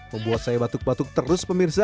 membuat saya batuk batuk terus pemirsa